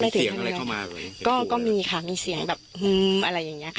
เสียงอะไรเข้ามาเลยก็มีค่ะมีเสียงแบบอะไรอย่างเงี้ค่ะ